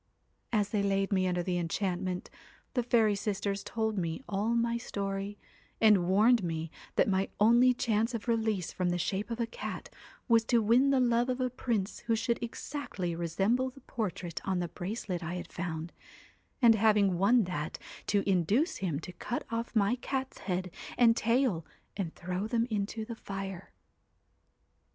' As they laid me under the enchantment, the fairy sisters told me all my story, and warned me that my only chance of release from the shape of a cat was to win the love of a prince who should exactly resemble the portrait on the bracelet I had found, and having won that, to induce him to cut off my cat's head and tail and throw them into the fire.'